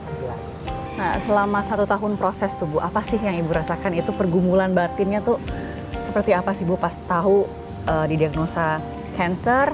nah selama satu tahun proses tuh bu apa sih yang ibu rasakan itu pergumulan batinnya tuh seperti apa sih bu pas tahu didiagnosa cancer